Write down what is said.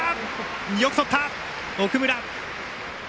よくとった、奥村。